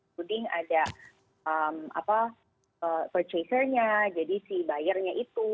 kemudian ada purchasernya jadi si bayarnya itu